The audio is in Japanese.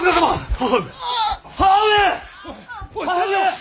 母上！